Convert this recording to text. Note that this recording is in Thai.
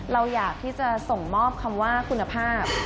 เราอยากที่จะส่งมอบคำว่าคุณภาพ